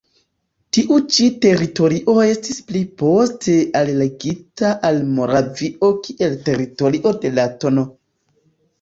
Tiu ĉi teritorio estis pli poste alligita al Moravio kiel teritorio de la tn.